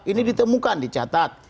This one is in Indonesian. ini ditemukan dicatat